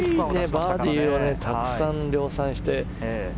バーディーをたくさん量産して。